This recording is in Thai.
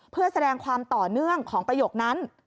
เพื่อแสดงความต่อเนื่องของประโยคนั้น